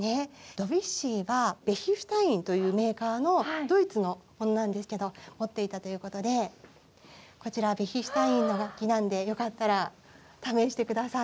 ドビュッシーがベヒシュタインというメーカーのドイツのものなんですけど持っていたということでこちらベヒシュタインの楽器なんでよかったら試して下さい。